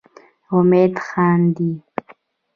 امید خاندي.